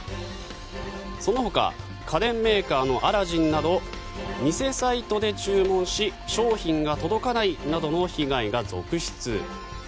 そのほか家電メーカーのアラジンなど偽サイトで注文し商品が届かないなどの被害が続出。